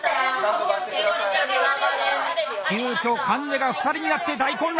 急きょ患者が２人になって大混乱！